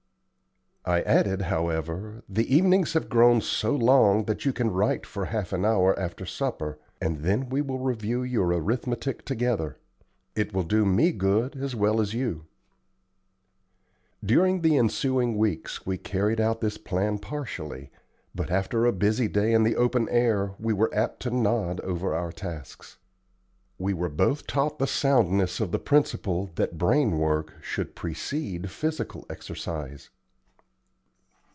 I added, however: "The evenings have grown so long that you can write for half an hour after supper, and then we will review your arithmetic together. It will do me good as well as you." During the ensuing weeks we carried out this plan partially, but after a busy day in the open air we were apt to nod over our tasks. We were both taught the soundness of the principle that brain work should precede physical exercise.